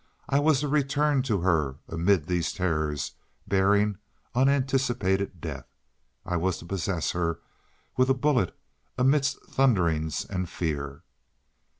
I was to return to her amid these terrors bearing unanticipated death. I was to possess her, with a bullet, amidst thunderings and fear.